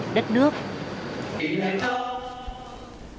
các đồng chí thương bệnh bệnh